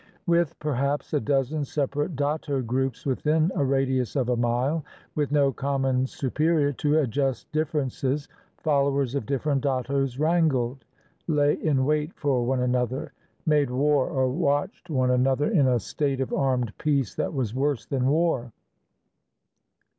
With perhaps a dozen separate datto groups within a radius of a mile, with no common superior to adjust differences, followers of different dattos wrangled, lay in wait for one another, made war, or watched one an other in a state of armed peace that was worse than war.